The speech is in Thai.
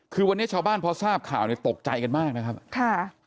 คือวันนี้ชาวบ้านพอทราบข่าวเนี่ยตกใจกันมากนะครับค่ะ